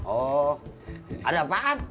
oh ada apaan